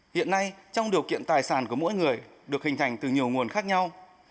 hiện nay trong điều kiện tài sản của mỗi người được hình thành từ nhiều nguồn khác nhau